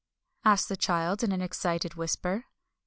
asked the child in an excited whisper.